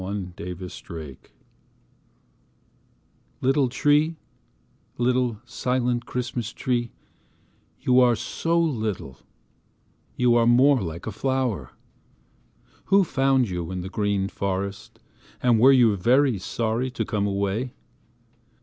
cummings (1894 1962) ITTLE tree little silent Christmas tree you are so little you are more like a flower who found you in the green forest and were you very sorry to come away?